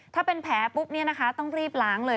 ถ้าเป็นแผลต้องรีบล้างเลย